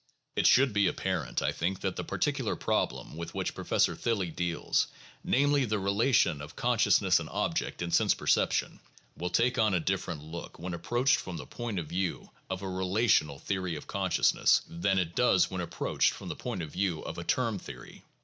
It should be apparent, I think, that the particular problem with which Professor Thilly deals, namely, "The Relation of Consciousness and Object in Sense perception," will take on a different look when approached from the point of view of a relational theory of consciousness than it does when approached from the point of view of a term theory.